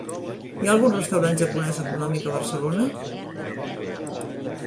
Hi ha algun restaurant japonès econòmic a Barcelona?